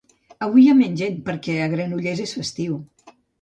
Avui hi ha menys gent perquè a Granollers és festiu